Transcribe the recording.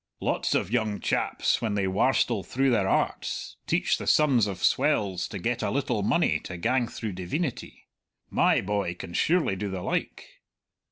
Lots of young chaps, when they warstle through their Arts, teach the sons of swells to get a little money to gang through Diveenity. My boy can surely do the like!"